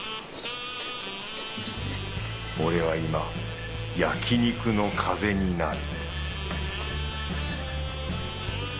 俺は今焼肉の風になる